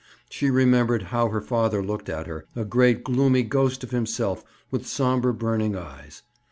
She remembered how her father looked at her, a great gloomy ghost of himself with somber burning eyes.